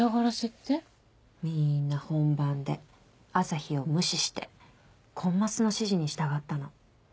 みんな本番で朝陽を無視してコンマスの指示に従ったの。